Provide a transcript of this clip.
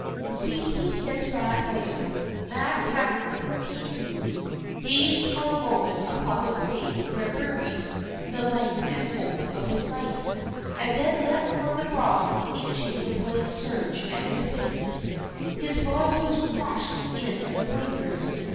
Ceasing his sad wail, Makakehau gazed for a moment upon the grave where were buried the light and hope of his life, and then leaped from the rock into the boiling surge at its base. His body was crushed in the breakers.